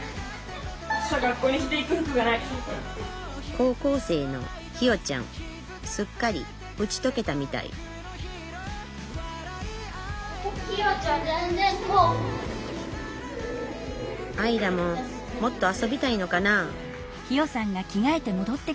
高校生の日葉ちゃんすっかりうちとけたみたい愛来ももっと遊びたいのかな？